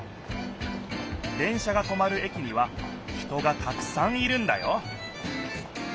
電車がとまる駅には人がたくさんいるんだよ